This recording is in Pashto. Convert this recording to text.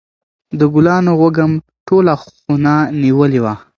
د ګلانو وږم ټوله خونه نیولې وه.